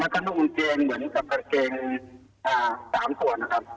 มันกระหนูเกงเหมือนกับกางเกง๓ส่วนนะครับ